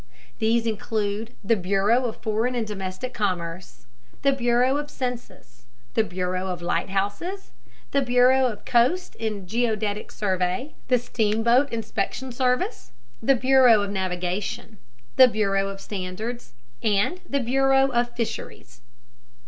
These include the bureau of foreign and domestic commerce, the bureau of census, the bureau of lighthouses, the bureau of coast and geodetic survey, the steamboat inspection service, the bureau of navigation, the bureau of standards, and the bureau of fisheries.